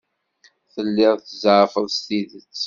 Telliḍ tzeɛfeḍ s tidet?